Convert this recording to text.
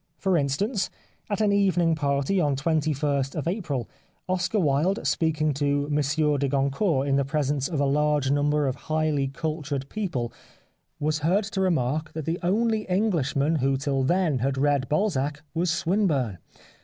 For instance, at an evening party on 21st April, Oscar Wilde speaking to Monsieur de Goncourt in the presence of a large number of highly cultured people was heard to remark that the only Englishman who till then had read Balzac was Swinburne.